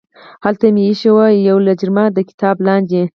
هلته مې ایښې یوه لجرمه د کتاب لاندې